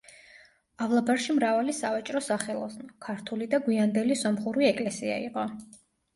ავლაბარში მრავალი სავაჭრო-სახელოსნო, ქართული და გვიანდელი სომხური ეკლესია იყო.